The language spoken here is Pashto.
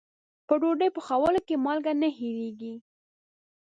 په ډوډۍ پخولو کې مالګه نه هېریږي.